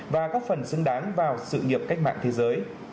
và góp phần xứng đáng vào sự nghiệp cách mạng thế giới